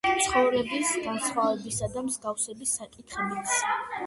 ცხოვრების განსხვავებისა და მსგავსების საკითხებიც.